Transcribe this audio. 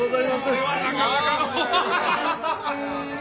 これはなかなかの。